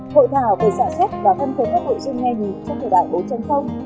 hội thảo về sản xuất và phân phối các hội chương ngành trong thời đại bố chân không